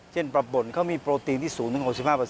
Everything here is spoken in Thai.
เช่นประบบลเขามีโปรตีนที่สูงถึง๖๕